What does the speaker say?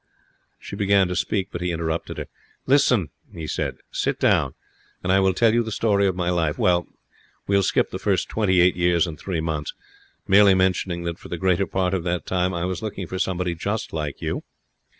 She began to speak, but he interrupted her. 'Listen!' he said. 'Sit down and I will tell you the story of my life. We'll skip the first twenty eight years and three months, merely mentioning that for the greater part of that time I was looking for somebody just like you.